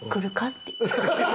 って。